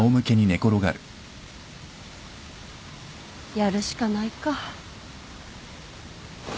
やるしかないか。